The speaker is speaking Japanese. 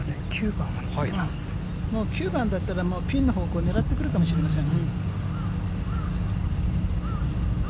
９番だったら、もうピンの方向狙ってくるかもしれません。